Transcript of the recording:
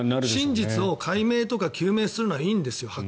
真実を解明とか究明するのはいいんですよ